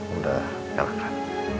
udah elak kan